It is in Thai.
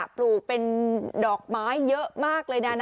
ปลูกเป็นดอกไม้เยอะมากเลยนะ